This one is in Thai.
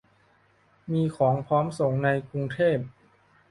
มีของพร้อมส่งในกรุงเทพ